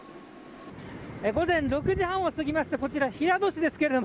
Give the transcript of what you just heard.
午前６時半を過ぎましたこちら平戸市です。